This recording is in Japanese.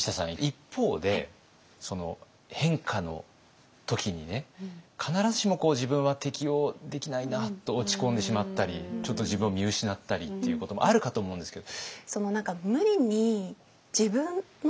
一方で変化の時にね必ずしも自分は適応できないなと落ち込んでしまったりちょっと自分を見失ったりっていうこともあるかと思うんですけど。